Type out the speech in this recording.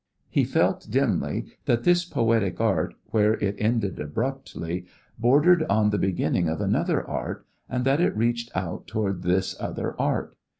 He felt dimly that this poetic art, where it ended abruptly, bordered on the beginning of another art and that it reached out toward this other art.